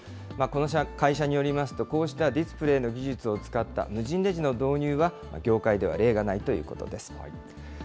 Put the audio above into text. この会社によりますと、こうしたディスプレーの技術を使った無人レジの導入は業界では例がないということです。